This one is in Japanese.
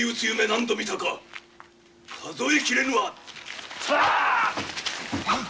何度見たか数えきれぬわ。